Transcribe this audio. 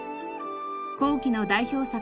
後期の代表作